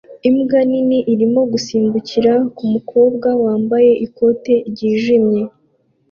Imbwa nini irimo gusimbukira ku mukobwa wambaye ikoti ryijimye